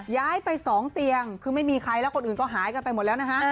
ย้ายไป๒เตียงคือไม่มีใครแล้วคนอื่นก็หายกันไปหมดแล้วนะฮะ